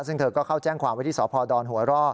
ซึ่งเธอก็เข้าแจ้งความไว้ที่สพดหัวร่อ